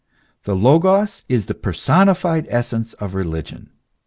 The Logos is the personified essence of religion.